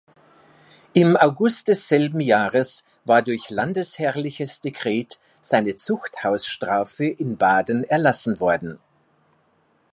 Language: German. Im August desselben Jahres war durch landesherrliches Dekret seine Zuchthausstrafe in Baden erlassen worden.